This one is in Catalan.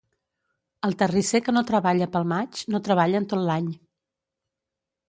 El terrisser que no treballa pel maig, no treballa en tot l'any.